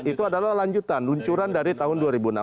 itu adalah lanjutan luncuran dari tahun dua ribu enam belas